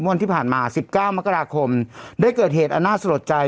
วันที่ผ่านมาสิบเก้ามกราคมได้เกิดเหตุอันน่าสะดวกใจ